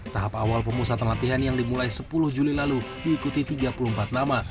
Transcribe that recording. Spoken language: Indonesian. tahap awal pemusatan latihan yang dimulai sepuluh juli lalu diikuti tiga puluh empat nama